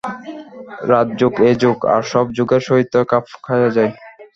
রাজযোগ এই যোগ আর সব যোগের সহিত খাপ খাইয়া যায়।